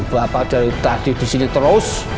bapak dari tadi disini terus